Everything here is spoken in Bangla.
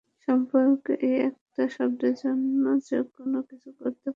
সম্পর্কের এই একটা শব্দের জন্য যেকোন কিছু করতে পারবো।